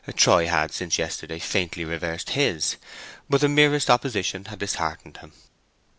Troy had, since yesterday, faintly reversed his; but the merest opposition had disheartened him.